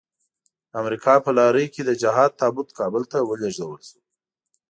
د امريکا په لارۍ کې د جهاد تابوت کابل ته ولېږدول شو.